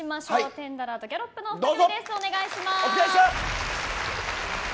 テンダラーとギャロップの２組です。